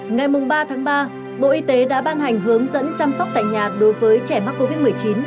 ngày ba tháng ba bộ y tế đã ban hành hướng dẫn chăm sóc tại nhà đối với trẻ mắc covid một mươi chín